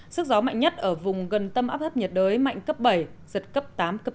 sức gió mạnh nhất ở vùng gần tâm áp thấp nhiệt đới mạnh cấp bảy giật cấp tám cấp tám